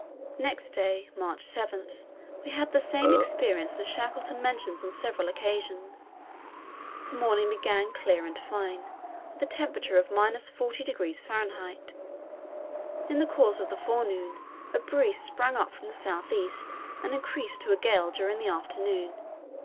Next day, March 7, we had the same experience that Shackleton mentions on several occasions. The morning began clear and fine, with a temperature of 40° F. In the course of the forenoon a breeze sprang up from the south east, and increased to a gale during the afternoon.